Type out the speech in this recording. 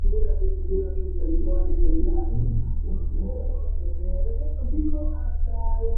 El primer single fue "Evermore".